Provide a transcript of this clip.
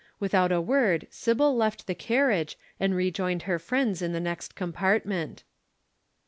Without a word Sybil left the carriage and rejoined her friends in the next compartment."